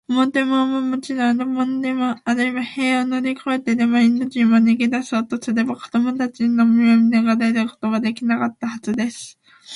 表門はもちろん、裏門からでも、あるいは塀を乗りこえてでも、インド人が逃げだしたとすれば、子どもたちの目をのがれることはできなかったはずです。